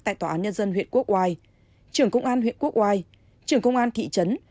tại tòa án nhân dân huyện quốc ngoài trưởng công an huyện quốc ngoài trưởng công an thị trấn